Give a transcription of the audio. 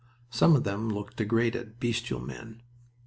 Some of them looked degraded, bestial men.